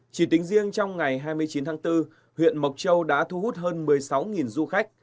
chỉ tính riêng trong ngày hai mươi chín tháng bốn huyện mộc châu đã thu hút hơn một mươi sáu du khách